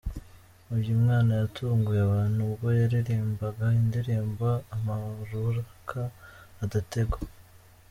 Uyu mwana yatunguye abantu ubwo yaririmbaga indirimbo'Amarukah'adategwa.